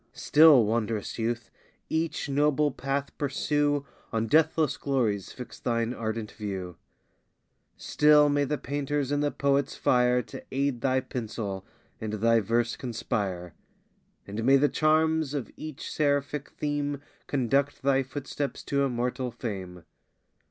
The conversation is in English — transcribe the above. Still, wond'rous youth! each noble path pursue, On deathless glories fix thine ardent view: Still may the painter's and the poet's fire To aid thy pencil, and thy verse conspire! And may the charms of each seraphic theme Conduct thy footsteps to immortal fame!